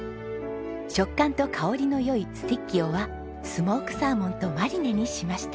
食感と香りの良いスティッキオはスモークサーモンとマリネにしました。